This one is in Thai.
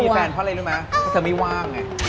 มีแฟนเพราะอะไรรู้ไหมเพราะเธอไม่ว่างไง